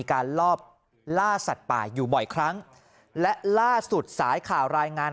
ที่ดังกล่าวเนี่ยมีการลอบล่าสัตว์ป่าอยู่บ่อยครั้งและล่าสุดสายข่าวรายงาน